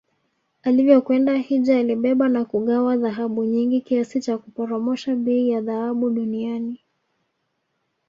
Alivyokwenda hijja alibeba na kugawa dhahabu nyingi kiasi cha kuporomosha bei ya dhahabu duniani